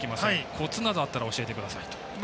コツなどあったら教えてくださいと。